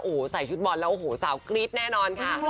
โอ้โหใส่ชุดบอลแล้วโอ้โหสาวกรี๊ดแน่นอนค่ะ